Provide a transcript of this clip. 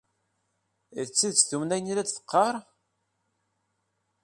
D tidet tumen ayen i la d-teqqar?